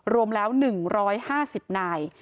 รวมแล้ว๑๕๐นาย